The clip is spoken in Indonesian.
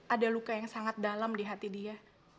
ada luka yang sangat dalam di hati dia